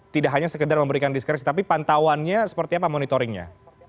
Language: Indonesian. tidak hanya sekedar memberikan diskresi tapi pantauannya seperti apa monitoringnya